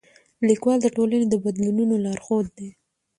لیکوال د ټولنې د بدلونونو لارښود دی.